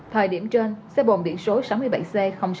thời điểm trên xe bồn biển số sáu mươi bảy c sáu nghìn bảy trăm bốn mươi tám